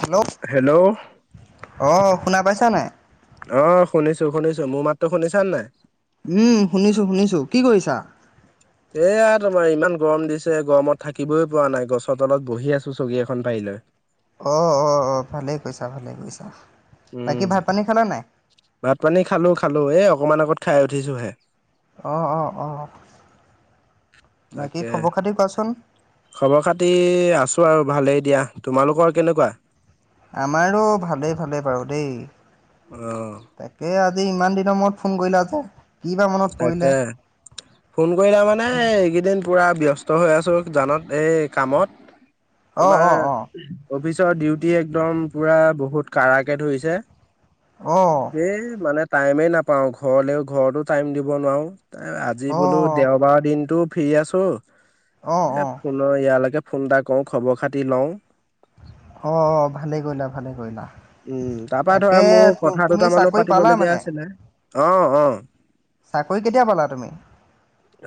Hello hello অ শুনা পাইছা নাই। অ শুনিছো শুনিছো মোৰ মাততো শুনিছা নাই উম শুনিছো শুনিছো কি কৰিছা। এয়া তোমাৰ ইমান গৰম দিছে গৰমত থাকিবই পৰা নাই গছৰ তলত বহি আছো চকী এখন পাৰি লৈ। অ অ অ ভালেই কৈছা ভালে কৈছা। উম ভাত পানী খালো খালো এ অকমান আগত খাই উঠিছো হে অ অ অ বাকী তাকে খবৰ খাতি কোৱাচোন। খবৰ খাতি আছো আৰু ভালেই দিয়া তোমালোকৰ কেনেকুৱা। আমাৰো ভালে ভালে বাৰু দেই আহ তাকে আজি ইমান দিনৰ মূৰত ফোন কৰিলাযে তাকে ফোন কৰিলো মানে এইকেইদিন পুৰা বিয়। হৈ আছো জানত এই কামত অ এবাৰ অ অ অফিচ ডিউটি একদম পুৰা বহুত কাঢ়াকে ধৰিছে অ সেই মানে টাইমেই নাপাওঁ ঘৰলৈও ঘৰতো টাইম দিব নোৱাৰো আজি অ বোলো দেওবাৰৰ দিনটো ফ্ৰী আছো অ অ এ ফোনৰ ইয়ালৈকে ফোন এটা কৰো খবৰ খাতি লওঁ অ ভালে কৰিলা ভালে কৰিলা। উম তাৰ পৰা ধৰা তাকে মোৰ কথা তুমি দুটামানো চাকৰি পালা পাতিবলগীয়া মানে? আছিলে অ অ চাকৰি কেতিয়া পালা তুমি?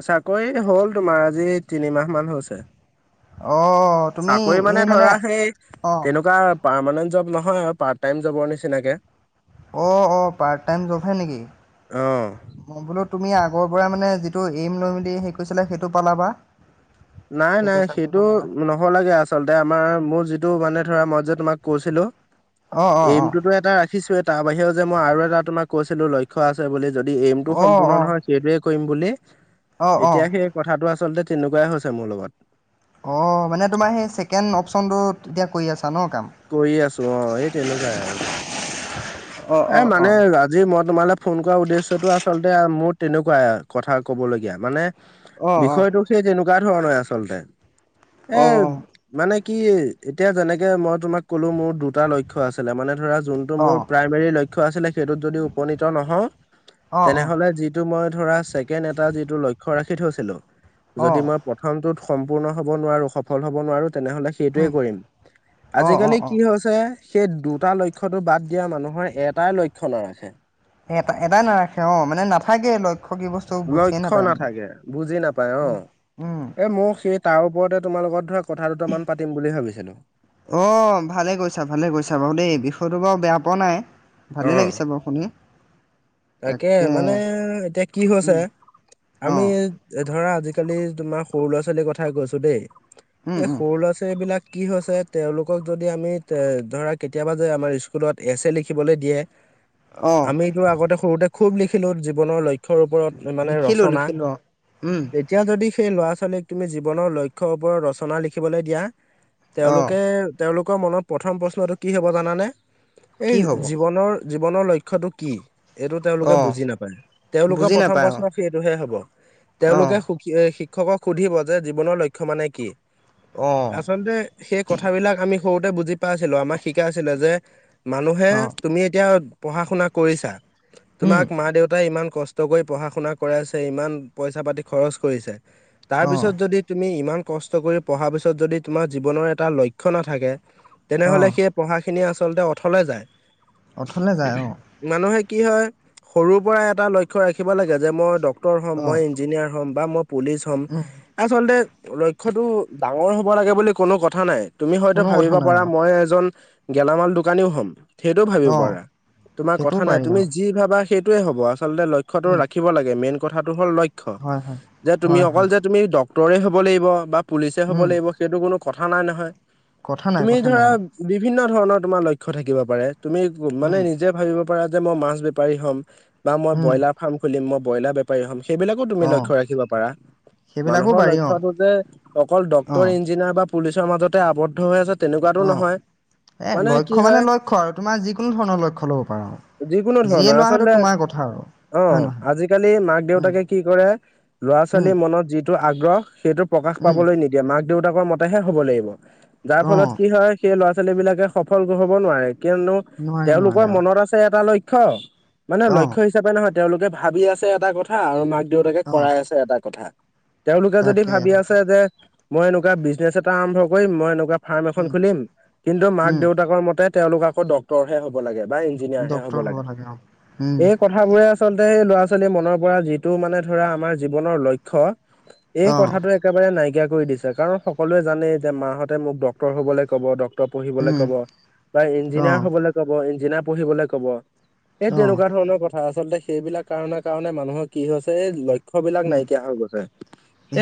চাকৰি হল তোমাৰ। আজি তিনিমাহ মান হৈছে। অ তুমি চাকৰি মানে এই ধৰা সেই অ তেনেকুৱা পাৰমানেণ্ট জব নহয় আৰু পাৰ্ট টাইম জবৰ নিচিনাকে। অ অ পাৰ্ট টাইম জবহে নেকি অ মই বোলো তুমি আগৰ পৰাই মানে যিটো এইম লৈ মেলি সেৰি কৰিছিলা সেইটো পালাবা। নাই নাই চাকৰি সেইটো পালাবা নহ'ল গে আচলতে আমাৰ মোৰ যিটো মানে ধৰা মই যে তোমাক কৈছিলো অঁ অঁ অঁ এইমটোতো এটা ৰাখিছো এ তাৰ বাহিৰেও যে মই আৰু এটা তোমাক কৈছিলো লক্ষ্য আছে বুলি যদি এইমটো অঁ সম্পূৰ্ণ অঁ নহয় সেইটোৱে কৰিম বুলি অঁ অঁ এতিয়া সেই কথাটো আচলতে তেনেকুৱাই হৈছে মোৰ লগত অ মানে তোমাৰ সেই ছেকেণ্ড অপচনটো এতিয়া কৰি আছে কৰিয়ে আছো অ এই তেনেকুৱাই আৰু অঁ এ অঁ মানে অঁ আজিৰ মদ তোমালে ফোন কৰ উদ্দেশ্যয়টো আচলতে মোৰ তেনেকুৱা কথা ক'বলগীয়া মানে অঁ বিষয়টোক সেই তেনেকুৱা ধৰণে আচলতে অঁ এ অঁ মানে কি এতিয়া যেনেকে মই তোমাক ক'লো মোৰ দুটা লক্ষ্য আছিলে মানে ধৰা যোনটো মোৰ অঁ প্ৰায় লক্ষ্য আছিলে‌ সেইটোত যদি উপনিত নহও অঁ অঁ তেনেহলে যিটো মই ধৰা চেকেণ্ড এটা যিটো লক্ষ্য ৰাখি থৈছিলো যদি অঁ মই প্ৰথমটোত সম্পূৰ্ণ হব নোৱাৰো সফল হব নোৱাৰো তেনেহলে সেইটোৱে উম কৰিম অঁ অঁ আজিকালি অঁ কি হৈছে সেই দুটা লক্ষ্যতো বাদ দিয়া মানুহৰ এটাই লক্ষণৰ আছে এটা এটা নাৰাখে অ মানে নাথাকে লক্ষ্য কি বস্তু বুজিয়ে লক্ষ্য নাপায় মানে নাথাকে বুজি নাপায় অ উম উম এ মখ তাৰ ওপৰতে তোমাৰ লগত ধৰা কথা দুটামান পাতিম বুলি ভাবিছিলো অ ভালে কৈছা ভালে কৈছা বাৰু দেই বিষয়টো বাৰু বেয়া পোৱা নাই অ ভালে লাগিছে বাৰু শুনি তাকে মানে এতিয়া কি হৈছে উম অ আমি ধৰা আজি- আজিকালি তোমাৰ সৰু ল'ৰা ছোৱালীৰ কথা কৈছো দেই উম এই উম সৰু ল'ৰা ছোৱালী বিলাক কি হৈছে তেওঁলোকক যদি আমি ধৰা কেতিয়াবা যে আমাৰ স্কুলত এছ এ লিখিবলৈ দিয়ে অ আমিতো আগতে সৰুতে খুব লিখিলো জীৱনৰ লক্ষ্য ৰ ওপৰত মানে লিখিলো ৰচনা লিখিলো অ উম তেতিয়া যদি সেই ল'ৰা ছোৱালীক তুমি জীৱনৰ লক্ষ্যৰ ওপৰত ৰচনা লিখিবলৈ দিয়া অ তেওঁলোকেল তেওঁলোকৰ মনত প্ৰথম প্ৰশ্নটো কি হ'ব জানানে এই কি হ'ব জীৱনৰ জীৱনৰ লক্ষ্যটো কি এইটো তেওঁলোকে অ বুজি নাপায় তেওঁলোকৰ বুজি প্ৰথম নাপায় অ প্ৰশ্ন সেইটোহে হব অ তেওঁলোকে সুখী শিক্ষকক সুধিব যে জীৱনৰ লক্ষ্য মানে কি অ আচলতে সেই কথাবিলাক আমি স বুজি পাইছিলো আমাক শিকাই আছিলে যে মানুহে অ তুমি এতিয়া পঢ়া শুনা কৰিছা উম তোমাক মা দেউতাই ইমান কষ্ট কৰি পঢ়া শুনা কৰাই আছে ইমান পইচা পাতি খৰচ কৰিছে তাৰ অ পিছত যদি তুমি ইমান কষ্ট কৰি পঢ়া পিছত যদি তোমাৰ জীৱনৰ এটা লক্ষ্য নাথাকে অ তেনেহলে সেই পঢ়াখিনি আচলতে অথলে যায় অথলে যায় অ মানুহে কি হয় সৰুৰ পৰাই এটা লক্ষ্য ৰাখিব লাগে যে মই ডক্তৰ হ'ম অ মই ইঞ্জিনিয়াৰ হ'ম বা মই পুলিচ হ'ম উম আচলতে লক্ষ্যটো ডাঙৰ হ'ব লাগে বুলি কোনো কথা নাই তুমি হয়তো কোনো কথা ভাবিব নাই পাৰা অ মই এজন গেলামাল দোকানীও হ'ম সেইটো ভাবিব অ পাৰা তোমাৰ সেইটোও কথা নাই পাৰি অ তুমি যি ভাবা সেইটোয়ে হ'ব আচলতে লক্ষ্য টো উম ৰাখিব লাগে মেইন কথাটো হল লক্ষ্য হয় হয় যে তুমি হয় অকল হয় যে তুতি টক ডক্তৰেই হ'ব লাগিব বা পুলিচেই হ'ব উম লাগিব সেইটো কোনো কথা নাই নহয় কথা নাই তুমি কথা ধৰা নাই অ বিভিন্ন ধৰণৰ তোমাৰ লক্ষ্য থাকিব পাৰে তুমি মানে উম নিজে ভাবিব পাৰা যে মই মাছ বেপাৰী হম বা মই উম ব্ৰইলাৰ ফাৰ্ম খুলিম মই ব্ৰইলাৰ বেপাৰী হ'ম সেইবিলাকো তুমি অ লক্ষ্য ৰাখিব পাৰা সেইবিলাকো মানুহৰ পাৰি অ লক্ষ্যটোত যে অকল অ ডক্তৰ ইঞ্জিনিয়াৰ বা পুলিচৰ মাজতে আৱদ্ধ হৈ আছে তেনেকুৱাতো অ নহয় এ কি লক্ষ্য মানে হয় লক্ষ্য আৰু তোমাৰ যিকোনো ধৰণৰ লক্ষ্য ল'ব পাৰা যিকোনো যিয়ে ধৰণৰ লোৱা সেইটো আচলতে তোমাৰ কথা আৰু অ হয় নহয় আজিকালি মাক উম দেউতাকে কি কৰে ল'ৰা উম ছোৱালী মনত যিটো আগ গ্ৰহ সেইটো প্ৰকাশ উম পাবলৈ নিদিয়ে মাক দেউতাকৰ মতেহে হ'ব লাগিব যাৰ অ ফলত কি হয় সেই ল'ৰা ল'ৰা ছোৱালী বিলাকে সফল হব নোৱাৰে কিয়নো নোৱাৰে তেওঁলোকৰ নোৱাৰে অ মনত আছে এটা লক্ষ্য মানে অ লক্ষ্য হিচাপে নহয় তেওঁলোকে ভাবি আছে এটা কথা আৰু মাক দেউতাকে অ কৰাই আছে এটা কথা তেওঁলোকে যদি তাকে ভাবি তাকে আছে যে মই এনেকুৱা বিজনেছ এটা আৰম্ভ কৰি মই এনেকুৱা ফাৰ্ম এখন উম খুলিম কিন্তু মাক উম দেউতাকৰ মতে তেওঁলোক আকৌ ডক্তৰ হে হ'ব লাগে বা ইঞ্জিনিয়াৰ এ হ'ব লাগে উম এই কথাবোৰে আচলতে এই ল'ৰা ছোৱাল কাল মনৰ পৰা যিটো মানে ধৰা আমাৰ জীৱনৰ লক্ষ্য এই অ কথাটো একেবাৰে নাইকিয়া কৈ দিছে কাৰণ সকলোৱে জানেই যে মাহঁতে মোক ডক্তৰ হ'বলৈ ক'ব ড ডক্তৰ পঢ়িবলে উম কব বা অ ইঞ্জিনিয়াৰ হবলৈ কব ইঞ্জিনিয়াৰ পঢ়িবলে কব এই অ তেনেকোৱা ধৰণৰ কথা আচলতে সেইবিলাক কাৰণে কাৰণে মানুহৰ কি হৈছে এই লক্ষ্য ল বিলাক উম নাইকিয়া হৈ গৈছে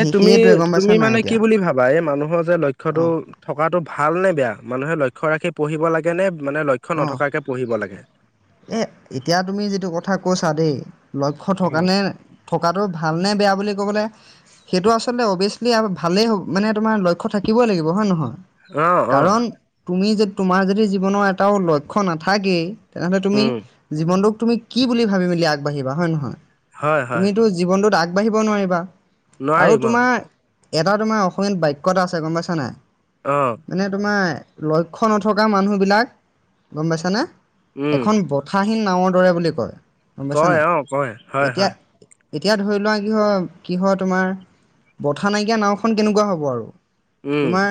এ সেই তুমি সেইটোৱে গম তুমি পাইছা নাই মানে কি এতিয়া বুলি ভাবা এই মানুহ যে অ লক্ষ্যটো থকাটো ভাল নে বেয়া মানুহে লক্ষ্য ৰাখি পঢ়িব লাগে নে মানে লক্ষ্য অ নথকাকে পঢ়িব লাগে এ এতিয়া তুমি যিটো কথা কৈছা দেই লক্ষ্য থকা নে থকাটো ভালনে বেয়া বুলি ক'বলে সেইটো আচলতে অভিয়াচলি ভালেই হব মানে তোমাৰ লক্ষ্য থাকিবই লাগিব হয় নহয় অ অ কাৰণ তুমি যে তোমাৰ যদি জীৱনৰ এটাও লক্ষ্য নাথাকেই তেনেহ'লে তুমি উম জীৱনটোক তুমি কি বুলি ভাবি মেলি আগবাঢ়িবা হয় নহয় হয় হয় তুমিতো জীৱনটোত আগবাঢ়িব নোৱাৰিবা আৰু নোৱাৰিম অ তোমাৰ এটা তোমাৰ অসমীয়াত বাক্য এটা আছে গম পাইছা নাই অ মানে তোমাৰ লক্ষ্য নথকা মানুহবিলাক গম পাইছানে উম এখন বথাহীন নওৰ দৰে বুলি কয় গম পাইছা কয় নাই অ কয় হয় এতিয়া হয় এতিয়া ধৰি লোৱা কি হয় কি হয় তোমাৰ বথা নাইকিয়া নাওখন কেনেকোৱা হ'ব আৰু উম তোমাৰ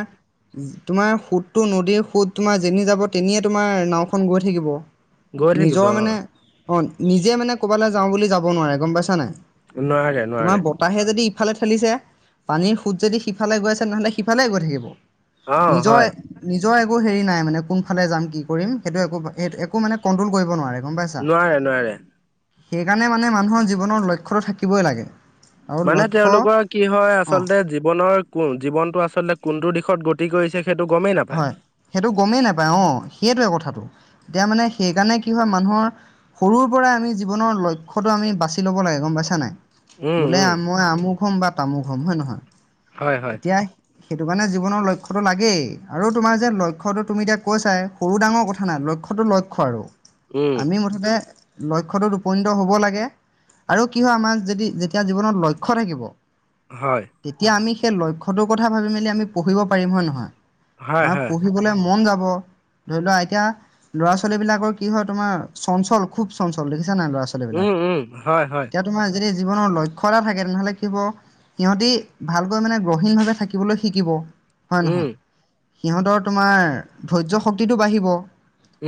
তোমাৰ সোতটো নদীৰ সোত তোমাৰ যেনি যাব তেনিয়ে তোমাৰ নাওখন গৈ থাকিব গৈয়ে থাকিব নিজৰ অ মানে অ নিজে মানে ক'ৰবালৈ যাও বুলি যাব নোৱাৰে গম পাইছা নাই নোৱাৰে নোৱোৰে সিফালে থেলিছে পানীৰ সুঁত যদি সিফালে গৈ আছে নহ'লে সিফালে গৈ থাকিব অ নিজৰ হয় নিজৰ একো হেৰি নাই মানে কোনফালে যাম কি কৰিম সেইটো একো একো মানে কণ্ট্ৰল কৰিব নোৱাৰে গম পাইছা? নোৱাৰে নোৱাৰে সেইকাৰণে মানে মানুহৰ জীৱনৰ লক্ষ্য থাকিবই লাগে আৰু মানে লক্ষ্য তেওঁলোকৰ কি হয় অ আচলতে জীৱনৰ কোন জীৱনটো আচলতে কোনটো দিশত গতি কৰিছে সেইটো গমেই নাপায় হয় সেইটো গমেই নাপায় অ সেইটোৱে কথাটো। এতিয়া মানে সেইকাৰণে কি হয় মানুহৰ সৰুৰ পৰাই আমি জীৱনৰ লক্ষ্যটো আমি বাচি ল'ব লাগে গম পাইছা নাই। উম বোলে উম মই আমুক হম বা তামোক হম হয় নহয় হয় হয় এতিয়া সেইটো কাৰণে জীৱনৰ লক্ষ্যটো লাগেই। আৰু তোমাৰ যে লক্ষ্যটো তুমি এতিয়া কৈছাই সৰু ডাঙৰ কথা নাই লক্ষ্যটো লক্ষ্য আৰু। উম আমি মুঠতে লক্ষ্যটোত উপনীত হ'ব লাগে আৰু কি হয় আমাৰ যদি যেতিয়া জীৱনত লক্ষ্য থাকিব। হয় তেতিয়া আমি সেই লক্ষ্যটোৰ কথা ভাবি মেলি আমি পঢ়িব পাৰিম হয় নহয়। হয় আমাৰ হয় পঢ়িবলৈ মন যাব। ধৰি লোৱা এতিয়া ল'ৰা ছোৱালী বিলাকৰ কি হয় তোমাৰ চঞ্চল খুব চঞ্চল দেখ নাই ল'ৰা ছোৱালী বিলাক উম উম হয় হয় এতিয়া তোমাৰ যদি জীৱনৰ লক্ষ্য এটা থাকে তেনেহলে কি হব সিহঁতি ভালকৈ মানে গ্ৰহীণ ভাৱে থাকিবলৈ শিকিব হয় উম নহয় সিহঁতৰ তোমাৰ ধৈৰ্য শক্তিটো বাঢ়িব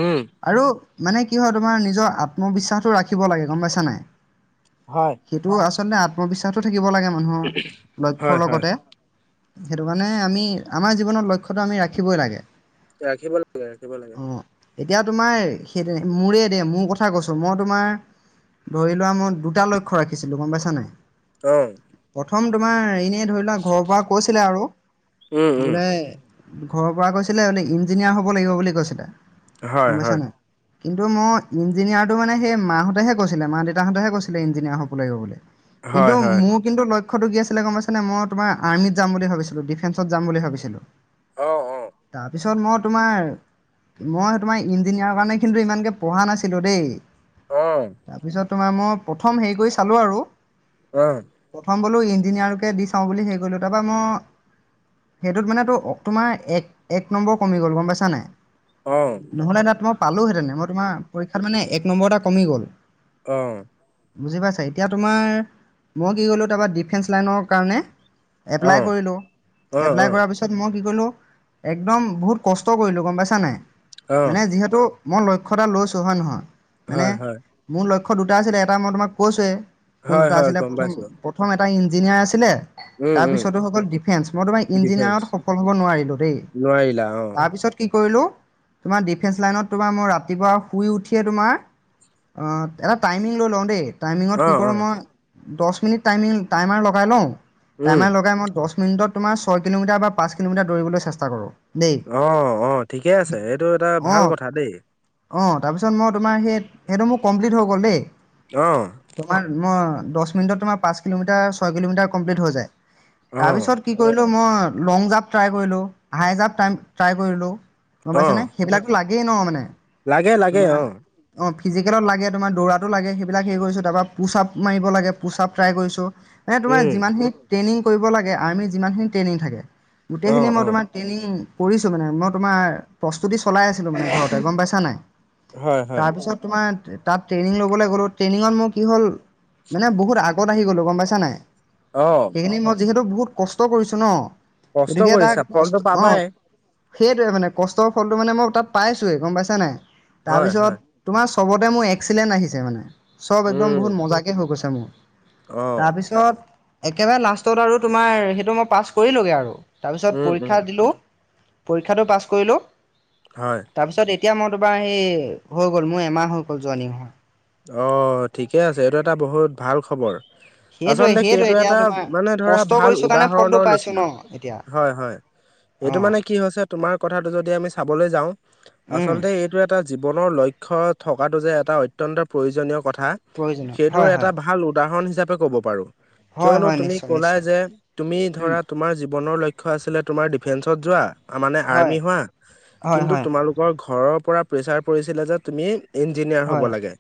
উম আৰু মানে কি হয় তোমাৰ নিজৰ আত্মবিশ্বাসতো ৰাখিব লাগে গম পাইছা নাই হয় সেইটো আচলতে আত্মবিশ্বাসো থাকি থাকিব লাগে মানুহৰ হয় লক্ষ্যৰ হয় লগতে সেইটো কাৰণে আমি আমাৰ জীৱনত লক্ষ্য টো আমি ৰাখিবই লাগে। ৰাখিব লাগে ৰাখিব লাগে। অ এতিয়া তোমাৰ সেই মোৰে দে মোৰ কথা কৈছো মই তোমাৰ ধৰি লোৱা মই দুটা লক্ষ্য ৰাখিছিলো গম পাইছা নাই? অহ। প্ৰথম তোমাৰ এনে ধৰি লোৱা ঘৰৰ পৰা কৈছিলে আৰু উম উম বোলে ঘৰৰ পৰা কৈছিলে মানে ইঞ্জিনিয়াৰ হ'ব লাগিব বুলি কৈছিলে। গম হয় পাইছা হয়। নাই কিন্তু মই ইঞ্জিনিয়াৰটো মানে সেই মাহঁতেহে কৈছিলে মা দেউতাহঁতেহে কৈছিলে ইঞ্জিনিয়াৰ হ'বলৈ গিবলৈ। হয় কিন্তু হয় মোৰ কিন্তু লক্ষ ক্ষ্যটো কি আছিলে গম পাইছে নে মই তোমাৰ আৰ্মিত যাম বুলি ভাবিছিলো, ডিফেন্সত যাম ভাবিছিলো। অহ অ। ছত মই তোমাৰ, মই তোমাৰ ইঞ্জিনিয়াৰৰ কাৰণে কিন্তু ইমানকে পঢ়া নাছিলো দেই। অহ। তাৰপিছত তোমাৰ মই প্ৰথম হেৰি কৰি চালো আৰু। আহ। প্ৰথম বোলো ইঞ্জিনিয়াৰকে দি চাওঁ বুলি হেৰি কৰিলোঁ, তাৰপৰা মই সেইটোত মানে তো অ তোমাৰ এক এক নম্বৰ কমি গ'ল গম পাইছা নাই? অ নহলে দ তোমাক পালোহেতেনে, মই তোমাৰ পৰীক্ষাত মানে এক নম্বৰ এটা কমি গ'ল। অ। বুজি পাইছে? এতিয়া তোমাৰ মই কি কৰিলোঁ তাৰপৰা ডিফেন্স লাইনৰ কাৰণে এপ্লাই অ', কৰিলো, অ', এপ্লাই অ', কৰাৰ পিছত মই কি কৰিলোঁ, একদম বহুত কষ্ট কৰিলোঁ গম পাইছা নাই? মানে অ', যিহেতু মই লক্ষ্য এটা লৈছোঁ হয় নহয়? মানে হয়, হয়, মোৰ লক্ষ্য দুটা আছিলে এটা মই তোমাক কৈছোৱেই কোন হয়, দুটা হয়, আছিলে গম প্ৰথম পাইছো। প্ৰথম টা ইঞ্জিনিয়াৰ আছিলে উম, উম, তাৰপিছতো হয় গল ডিফেন্স, মই তোমাৰ ডিফেন্স ইঞ্জিনিয়াৰত স সফল হব নোৱাৰিলো দেই, নোৱাৰিলা অ', তাৰপিছত কি কৰিলোঁ, তোমাৰ ডিফেন্স লাইনত তোমাৰ মই ৰাতিপুৱা শুই উঠিয়ে তোমাৰ অ এটা টাইমিং লৈ লওঁ দেই। টাইমিঙত কি অ', কৰোঁ, অ', মই দশ মিনিট টাইমিং টাইমাৰ লগাই লওঁ, উম, টাইমাৰ লগাই মই দশ মিনটত তোমাৰ ছয় কিলোমিটাৰ বা পাঁচ কিলমিটাৰ দৌৰিবলৈ চেষ্টা কৰো। অ অ ঠিকেই আছে এইটো এটা ভাল কথা দেই। অঁ তাৰপিছত মই তোমাৰ সেই সেইটো মোৰ কমপ্লিট হৈ গ'ল দেই। অ', তোমাৰ মই দশ মিনিটত তোমাৰ পাঁচ কিলোমিটাৰ, ছয় কিলোমিটাৰ কমপ্লিট হৈ যায়। অ', তাৰপিছত কি কৰিলোঁ মই লং জাম্প ট্ৰাই কৰিলো, হাই জাম্প ট্ৰাই কৰিলো, গম পাইছা নে অ', সেইবিলাক লা একেই ন মানে। লাগে লাগে অ' অ ফিজিকেলত লাগে, তোমাৰটো লাগে, সেইবিলাক হেৰিছোঁ তাৰপৰা পোচ আ'প মাৰিব লাগে পোচআপ ট্ৰাই কৰিছোঁ। মানে তোমাৰ উম, যিমানখিনি ট্ৰেইনিং কৰিব লাগে আৰ্মিত যিমানখিনি ট্ৰেইনিং থাকে গোটেইখিনি অ', মই অ', তোমাৰ ট্ৰেইনিং কৰিছো মানে মই তোমাৰ, প্ৰস্তুতি চলাই আছিলো মানে ঘৰতে গম পাইছা নাই? হয়, হয়, তাৰপিছত তোমাৰ তাত ট্ৰেইনিং ল'বলৈ গ'লো, ট্ৰেইনিঙত মোৰ কি হ'ল মানে বহুত আগত আহি গলো গম পাইছা নাই? অ', সেইখিনি মই যিহেতু বহুত কষ্ট কৰিছো ন? কষ্ট গতিকে এটা কৰিছা কষ্ট ফলটো অ পাবাই সেইটোৱে মানে কষ্টৰ ফলটো মানে মই তাত পাইছোৱেই গম পাইছা নাই? হয়, তাৰপিছত হয়, তোমাৰ চবতে মোৰ এক্সিলেণ্ট আহিছে মানে, চব একদম উম, বহুত মজাকে হৈ গৈছে মোৰ। অ', তাৰপিছত, একেবাৰে লাষ্টত আৰু তোমাৰ সেইটো মই পাছ কৰিলোগে আৰু। তাৰপিছত উম, উম, পৰীক্ষা দিলো, পৰীক্ষাটো পাছ কৰিলো, হয়, তাৰপিছত এতিয়া মই তোমাৰ সেই হৈ গ'ল মোৰ এমাহ হৈ গ'ল জয়নিং। অ ঠিকে আছে এইটো এটা বহুত ভাল খবৰ। সেইটোৱে আচলতে সেইটোৱে সেইটো এতিয়া এটা তোমাৰ মানে ধৰা কষ্ট ভাল কৰিছো কাৰণে ফলটো উদাহৰণৰ পাইছো নিচিনা ন এতিয়া হয় হয়। অ এইটো মানে কি হৈছে তোমাৰ কথাটো যদি আমি চাবলৈ যাওঁ, উম আচলতে এইটো এটা জীৱনৰ লই ক্ষ্য থকাটো যে এটা অত্যন্ত প্ৰয়োজনীয় কথা, প্ৰয়োজনীয় সেইটোৰ হয় এটা হয় ভাল উদাহৰণ হি হিচাপে ক'ব‌ পাৰো। হয় কিয়নো হয় তুমি নিশ্চয় কলাই নিশ্চয় যে তুমি ধ'ৰা তোমাৰ জিৱ বনৰ লক্ষ্য আছিলে তোমাৰ ডিফ্ৰেন্সত যোৱা, মানে হয় আৰ্মি হোৱা হয় কিন্তু হয় তোমালোকৰ ঘৰৰ পৰা প্ৰেছাৰ পৰিছিলে যে তুমি ইঞ্জিনিয়াৰ হ'ব হয় লাগে,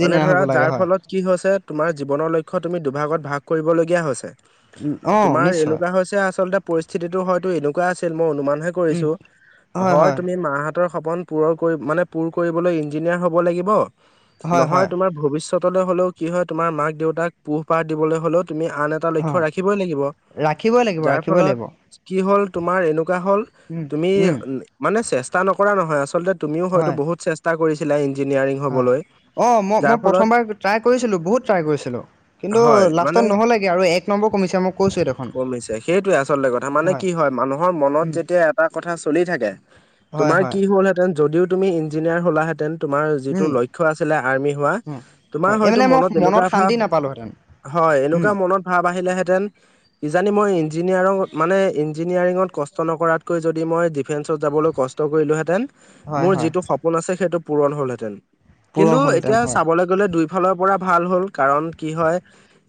মানে ধৰা হ'ব লাগে যাৰ হয় ফলত কি যে তোমাৰ জীৱনৰ লক্ষ্য তুমি দুভাগত ভাগ কৰিবলগীয়া হৈছে। অঁ তোমাৰ নিশ্চয় এনেকুৱা হৈছে আচলতে পৰিস্থিতিতটো হয়োতো এনেকুৱা আছিল। মই অনুমানহে উম, কৰিছো। হয় তুমি মাহাত সপন পূৰণ মানে পূৰ কৰিবলৈ ইঞ্জিনিয়াৰ হ'ব লাগিব হয় নহয় হয় তোমাৰ ভিতচ ত হ'লেও কি হয় তোমাৰ মাক দেউতাক পোহপাৰ দিবলৈ হ'লেও তুমি আন এটা লক্ষয় অঁ ৰাখিবই লাগিব। ৰাখিবই লাগিব যাৰ ৰাখিবই লাগিব ফলত কি হ'ল তোমাৰ এনেকুৱা হ'ল উম, তুমি উম, মানে চেষ্টা চেষ্টা নকৰা নহয় আচলতে তুমিও হয়তো হয় বহুত চেষ্টা কৰিছিলা। ইঞ্জিনিয়াৰিং হ'বলৈ অ' মই যাৰ মই ফলত প্ৰথমবাৰ ট্ৰাই কৰিছিলো, ‌বহুত ট্ৰাই কৰিছিলো কিন্তু হয় লাষ্টত মানে নহ'লেগৈ আৰু এক নম্বৰ কমিছে মই কৈছোঁৱেই দেখোন কমিছে সেইটোয়ে আচলতে কথা মানে কি হয় মানুহৰ মনত উম, যেতিয়া এটা কথা চলি থাকে হয় তুমাৰ কি হয় হল হেঁতেন যদিও তুমি ইঞ্জিনিয়াৰ হলা হেতেন তোমাৰ যিটো উম, লক্ষ আছে আৰ্মি হোৱা উম, তোমাৰ হয় এই হয়তো মানে মই মনত এনেকুৱা ভাৱ শান্তি নাপালোহেঁতেন হয় উম, এনেকুৱা মনত ভাৱ আহিলেহেঁতেন। কিজানি মই ইঞ্জিন ইঞ্জিনিয়াৰ মানে ইঞ্জিনিয়াৰিঙত কষ্ট নকৰাতকৈ যদি মই ডিফেন্সত যাবলৈ কষ্ট কৰিলোহেঁতেন হয় মোৰ হয় যিটো সপোন আছে। সেইটো পূৰণ হ'লহেতেন। পূৰণ কিন্তু হ'লহেঁতেন এতিয়া হয় চাবলৈ গ'লে দুই ভাল হ'ল কাৰণ কি হয়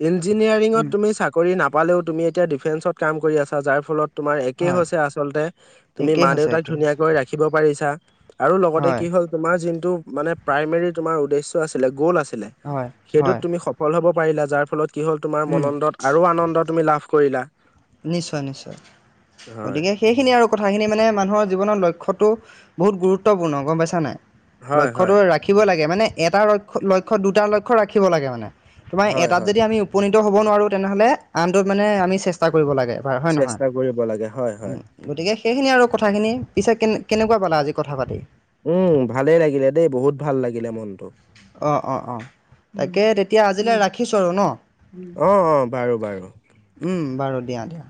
ইঞ্জিনিয়াৰিংত উম, তুমি চাকৰি না পালেও তুমি এতিয়া ডিফেন্সত কাম কৰি আছা যাৰ ফলত তোমাৰ একেই হয় হৈছে আচলতে তুমি একেই মা হৈছে দেউতাক একেই হৈছে ধুনীয়াাকৈ ৰাখিব পাৰিছা, আৰু লগতে হয় কি হ'ল তোমাৰ যোনটো মানে প্ৰাইমেৰী তোমাৰ উদ্দেশ্য আছিলে, গ'ল আছিলে, হয় সেইটোত হয় তুমি সফল হব পাৰিলা যাৰ ফলত কি হ'ল তোমাৰ উম, মনন্দত আৰু আনন্দ তুমি লাভ কৰিলা নিশ্চয় নিশ্চয়। হয় গতিকে সেইখিনি আৰু কথাখিনি মানে মানুহৰ জীৱনৰ লক্ষ্যত বহুত গুৰুত্বপূৰ্ণ গম পাইছা নাই? হয় লক্ষটো হয় ৰাখিব লাগে মানে এটা লক্ষ লক্ষ্য দুটা লক্ষ্য ৰাখিব লাগে মানে তোমাৰ হয় এটাত হয় যদি আমি উপনীত হ'ব নোৱাৰো তেনেহলে আনটোত মানে আমি চেষ্টা কৰিব লাগে হয় নহয়। চেষ্টা কৰিব লাগে হয় উ হয় গতিকে সেইখিনি আৰু কথাখিনি পিছে কে কেনেকুৱা পালা আজি কথা পাতি। উম ভালেই লাগিলে দেই। বহুত ভাল লাগিলে মনটো অ' অ' অ' তাকে তেতিয়া আজিলৈ ৰাখিছো আৰু ন অ' অ' বাৰু বাৰু। বাৰু দিয়া দিয়া